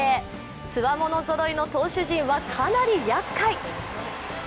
つわものぞろいの投手陣は、かなり厄介。